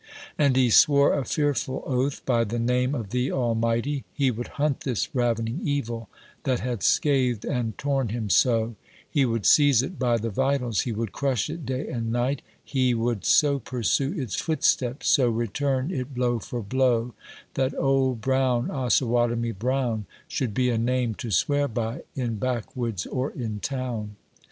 And ho swore a fearful oath, by the name of the Almighty, He would hunt this ravening evil, that had scathed and torn him so — He would seize it by the viials; he would crush it day and night: he Would so pursue its footsteps — so return it blow for blow — That Old Brown, Osawatomie Brown, Should be a name to swear by, in backwoods or in town